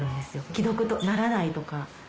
既読とならないとか。